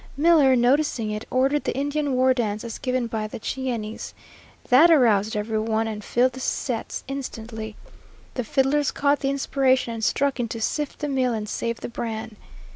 Miller, noticing it, ordered the Indian war dance as given by the Cheyennes. That aroused every one and filled the sets instantly. The fiddlers caught the inspiration and struck into "Sift the Meal and save the Bran."